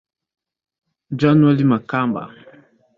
January Makamba